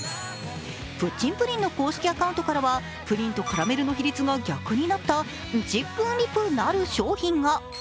プッチンプリンの公式アカウントからは、プリンとカラメルの比率が逆になったンチップンリプなる商品が。